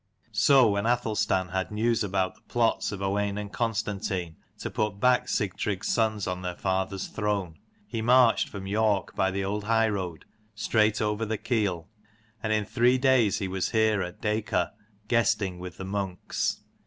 So when Athelstan had news about the plots of Owain and Constantine to put back Sigtrygg's sons on their father's throne, he marched from York by the old high road straight over the Keel : and in three days he was here at Dacor guesting with the monks.